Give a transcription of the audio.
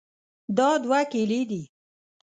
دا دوه کیلې دي.